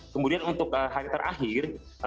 kemudian untuk hari terakhir